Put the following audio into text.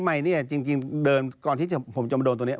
ใหม่เนี่ยจริงเดินก่อนที่ผมจะมาโดนตรงนี้